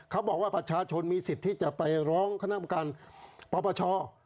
เขาบอกว่าประชาชนมีสิทธิ์ที่จะไปร้องคณะประการปปช